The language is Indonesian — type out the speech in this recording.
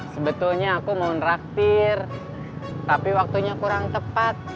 sebetulnya aku mau nraktir tapi waktunya kurang tepat